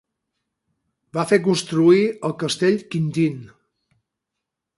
Va fer construir el Castell Quintin.